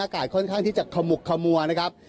อากาศค่อนข้างที่จะขมุกขมัวนะครับ